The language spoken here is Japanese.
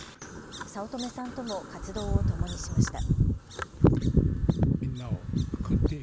早乙女さんとも活動をともにしました。